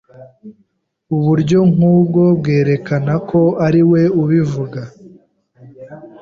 Uburyo nk'ubwo bwerekana ko ari we uvuga